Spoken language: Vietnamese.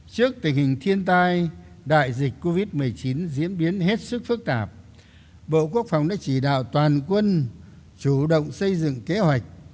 trước tình hình thiên tai đại dịch covid một mươi chín diễn biến hết sức phức tạp bộ quốc phòng đã chỉ đạo toàn quân chủ động xây dựng kế hoạch